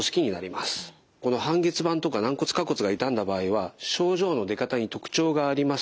この半月板とか軟骨下骨が傷んだ場合は症状の出方に特徴があります。